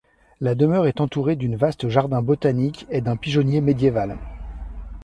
La demeure est entourée d'une vaste jardin botanique et d'un pigeonnier médiéval.